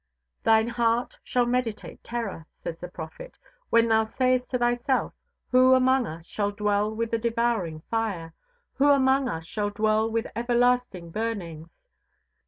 "Thine heart shall meditate terror," says the prophet, "when thou sayest to thyself, who among us shall dwell with the devouring fire? who among us shall dwell with everlasting burnings?"